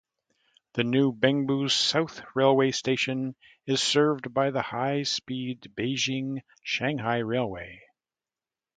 The new Bengbu South Railway Station is served by the high-speed Beijing-Shanghai Railway.